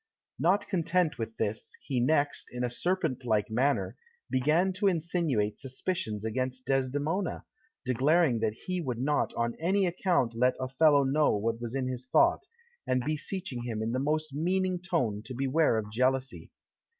Not content with this, he next, in a serpent like manner, began to insinuate suspicions against Desdemona, declaring that he would not on any account let Othello know what was in his thought, and beseeching him in the most meaning tone to beware of jealousy.